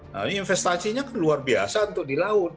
nah ini investasinya kan luar biasa untuk di laut